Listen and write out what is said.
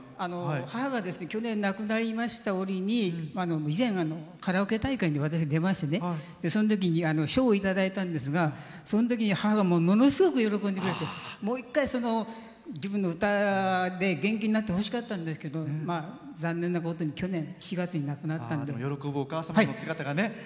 母が去年、亡くなりました折に以前、カラオケ大会に私、出ましてねそのときに賞をいただいたんですがそのときに母がものすごく喜んでくれてもう一回、そのときの歌で元気になってほしかったんですけど残念なことにお名前をどうぞ。